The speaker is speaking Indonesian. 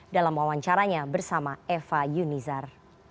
dalam wawancaranya bersama eva yunizar